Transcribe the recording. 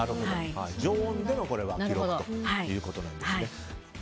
常温での記録ということですね。